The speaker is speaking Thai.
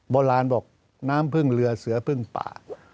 โบราณบอกน้ำพึ่งเรือเสือพึ่งป่า